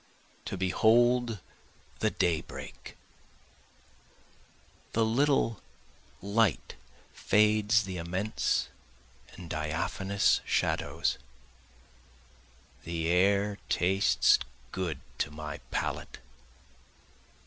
To behold the day break! The little light fades the immense and diaphanous shadows, The air tastes good to my palate.